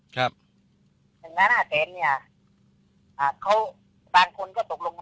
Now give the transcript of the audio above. ครับถึงหลายห้าแสนเนี่ยอ่าเขาบางคนก็ตกลงว่าบางคนก็รับเงินตอนสี่แสน